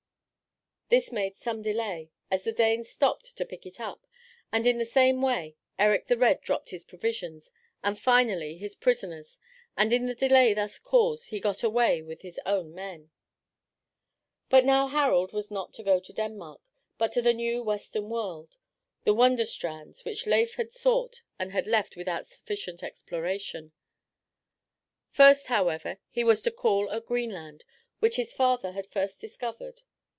This made some delay, as the Danes stopped to pick it up, and in the same way Erik the Red dropped his provisions, and finally his prisoners; and in the delay thus caused he got away with his own men. But now Harald was not to go to Denmark, but to the new western world, the Wonderstrands which Leif had sought and had left without sufficient exploration. First, however, he was to call at Greenland, which his father had first discovered.